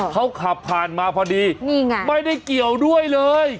เขาขับผ่านมาพอดีนี่ไงไม่ได้เกี่ยวด้วยเลย